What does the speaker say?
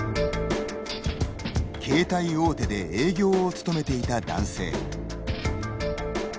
携帯大手で営業を務めていた男性。